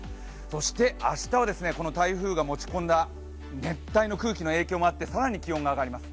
そして明日はこの台風が持ち込んだ熱帯の空気の影響もあって更に気温が上がります。